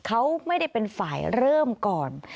เขาไม่ได้เป็นฝ่ายเริ่มก่อน